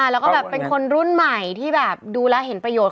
แล้วก็แบบเป็นคนรุ่นใหม่ที่แบบดูแล้วเห็นประโยชน